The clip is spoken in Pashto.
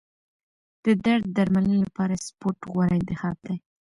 د درد درملنې لپاره سپورت غوره انتخاب دی.